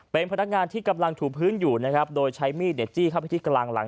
เป็นพนักงานที่กำลังถูพื้นอยู่นะครับโดยใช้มีดจี้เข้าไปที่กลางหลัง